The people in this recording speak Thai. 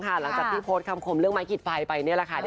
หลังจากดไปคำคมเรื่องไหม่กลิ่นไฟ